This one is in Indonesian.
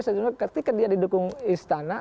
saya cuma ketika dia didukung istana